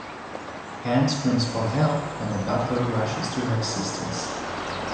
Ann screams for help and a butler rushes to her assistance.